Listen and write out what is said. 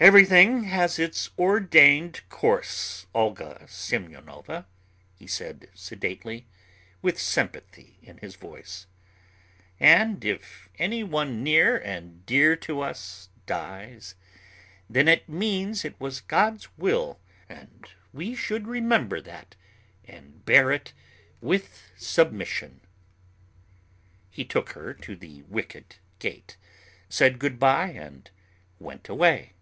"Everything has its ordained course, Olga Semyonovna," he said sedately, with sympathy in his voice. "And if any one near and dear to us dies, then it means it was God's will and we should remember that and bear it with submission." He took her to the wicket gate, said good bye and went away.